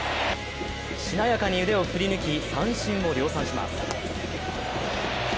しなやかに腕を振り抜き三振を量産します。